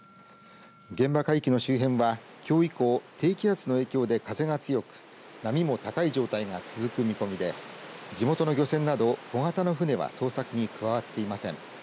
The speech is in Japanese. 現場海域の周辺はきょう以降低気圧の影響で風が強く波も高い状態が続く見込みで地元の漁船など小型の船は捜索に加わっていません。